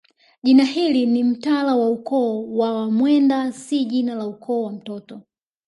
Jina hili ni mtala wa ukoo wa Wamwenda si jina la ukoo wa mtoto